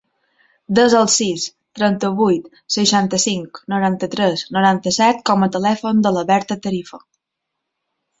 Desa el sis, trenta-vuit, seixanta-cinc, noranta-tres, noranta-set com a telèfon de la Berta Tarifa.